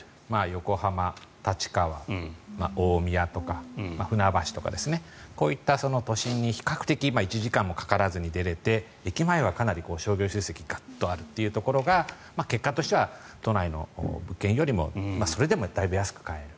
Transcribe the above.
横浜、立川、大宮とか船橋とかこういった都心に比較的１時間もかからずに出れて駅前はかなり商業施設がガッとあるというところが結果としては都内の物件よりもそれでもだいぶ安く買える。